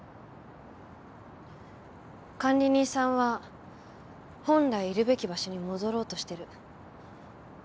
管理人さんは本来いるべき場所に戻ろうとしてる。